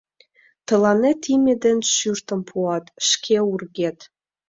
Тыланет име ден шӱртым пуат, шке ургет...